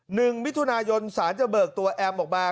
หนึ่งมิถุนายนสารจะเบิกตัวแอมออกมา